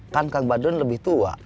kan kang badron lebih tua